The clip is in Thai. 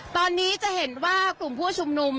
ตอนนี้จะเห็นว่ากลุ่มผู้ชุมนุม